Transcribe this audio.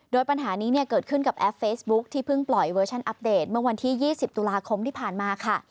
โดยปัญหานี้เนี่ยเกิดขึ้นกับแอปเฟซบุ๊คที่เพิ่งปล่อยเวอร์ชันอัปเดตเมื่อวันที่๒๐ตุลาคมที่ผ่านมาค่ะ